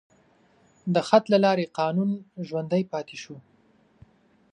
د خط له لارې قانون ژوندی پاتې شو.